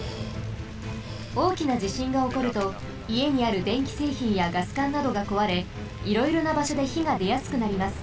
おおきなじしんがおこるといえにあるでんきせいひんやガスかんなどがこわれいろいろなばしょでひがでやすくなります。